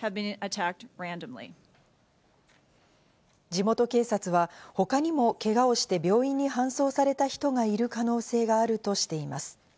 地元警察は他にもけがをして病院に搬送された人がいる可能性があるとしています。